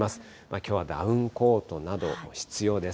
きょうはダウンコートなど、必要です。